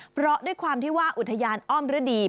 เพราะด้วยความที่ว่าอุทยานอ้อมฤดี